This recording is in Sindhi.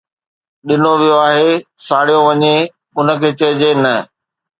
ڏنو ويو آهي، ساڙيو وڃي، ان کي چئجي ”نه“.